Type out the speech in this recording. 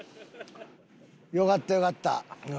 よかったよかった。